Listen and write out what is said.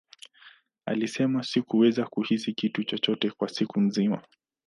Alisema, Sikuweza kuhisi kitu chochote kwa siku nzima.